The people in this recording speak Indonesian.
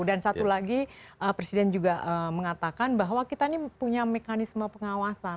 dan satu lagi presiden juga mengatakan bahwa kita ini punya mekanisme pengawasan